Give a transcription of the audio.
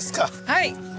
はい！